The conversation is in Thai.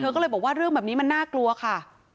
ก็เลยบอกว่าเรื่องแบบนี้มันน่ากลัวค่ะ